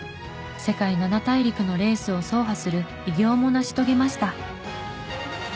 世界７大陸のレースを走破する偉業も成し遂げました。